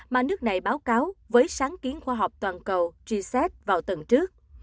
mà nước này báo cáo với sáng kiến khoa học toàn cầu g set vào tuần trước